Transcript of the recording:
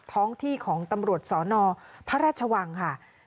ท้องที่ของตำรวจสนพระราชวังค่ะ